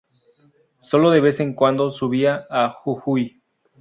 Sólo de vez en cuando subía a Jujuy.